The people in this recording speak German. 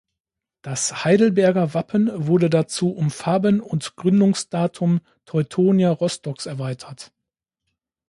Das Heidelberger Wappen wurde dazu um Farben und Gründungsdatum Teutonia Rostocks erweitert.